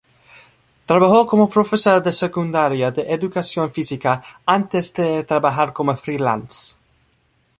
Trabajó como profesora de secundaria de educación física antes de trabajar como freelance.